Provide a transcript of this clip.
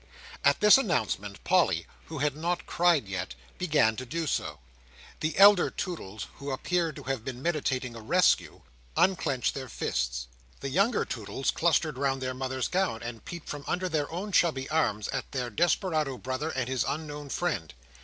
At this announcement, Polly, who had not cried yet, began to do so. The elder Toodles, who appeared to have been meditating a rescue, unclenched their fists. The younger Toodles clustered round their mother's gown, and peeped from under their own chubby arms at their desperado brother and his unknown friend.